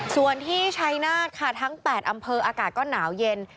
ส่วนที่ชัยนาธค่ะทั้ง๘อำเภออากาศก็หนาวเย็น